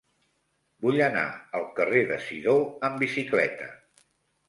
Vull anar al carrer de Sidó amb bicicleta.